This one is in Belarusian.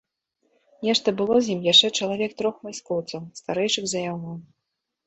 Нешта было з ім яшчэ чалавек трох вайскоўцаў, старэйшых за яго.